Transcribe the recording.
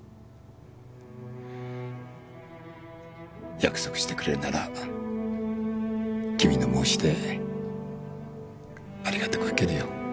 約束してくれるなら君の申し出ありがたく受けるよ。